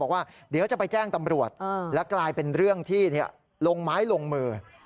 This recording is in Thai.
บอกว่าเดี๋ยวจะไปแจ้งตำรวจแล้วกลายเป็นเรื่องที่ลงไม้ลงมือ